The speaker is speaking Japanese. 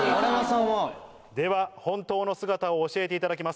では本当の姿を教えていただきます。